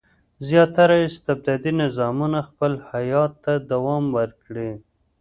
زیاتره استبدادي نظامونه خپل حیات ته دوام ورکړي.